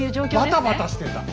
バタバタしてた。